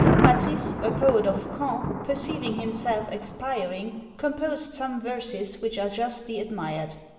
Patris, a poet of Caen, perceiving himself expiring, composed some verses which are justly admired.